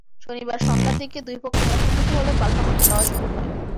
শনিবার সন্ধ্যার দিকে দুই পক্ষ মুখোমুখি হলে পাল্টাপাল্টি ধাওয়া শুরু হয়।